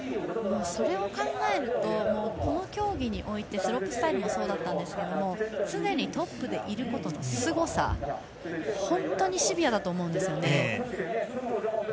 それを考えるとこの競技においてスロープスタイルもそうでしたが常にトップでいることのすごさ、本当にシビアだと思うんですよね。